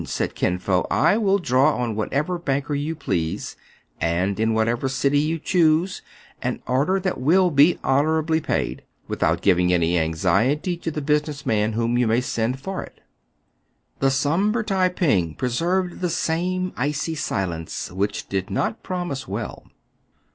'* said Kin Fo, "I will draw on whatever banker you please, and in whatever city you choose, an order that will be honorably paid, without giving any anxiety to the business man whom you may send for it." The sombre Tai ping preserved the same icy silence, which did not promise well.